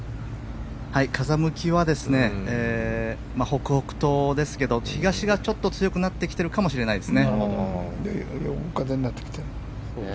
風向きは、北北東ですが東がちょっと強くなってきていると思います。